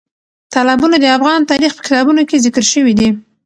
تالابونه د افغان تاریخ په کتابونو کې ذکر شوی دي.